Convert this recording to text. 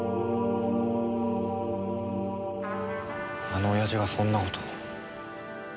あの親父がそんな事を。